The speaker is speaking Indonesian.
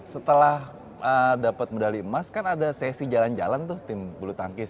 setelah dapat medali emas kan ada sesi jalan jalan tuh tim bulu tangkis